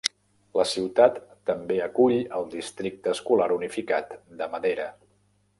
La ciutat també acull el districte escolar unificat de Madera.